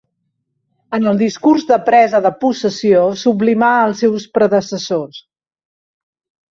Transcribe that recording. En el discurs de presa de possessió sublimà els seus predecessors.